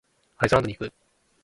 アイスランドへ行く。